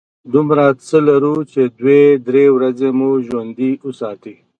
دومره څه لرو چې دوې – درې ورځې مو ژوندي وساتي.